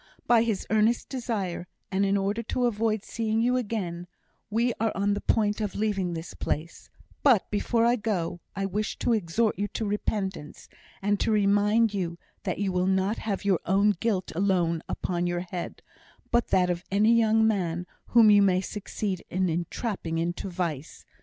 By his earnest desire, and in order to avoid seeing you again, we are on the point of leaving this place; but before I go, I wish to exhort you to repentance, and to remind you that you will not have your own guilt alone upon your head, but that of any young man whom you may succeed in entrapping into vice.